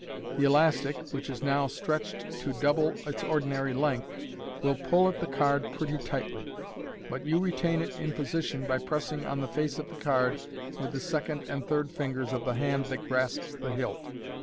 The elastic, which is now stretched to double its ordinary length, will pull at the card pretty tightly } but you retain it in position by pressing on the face of the card with the second and third fingers of the hand that grasps the hilt.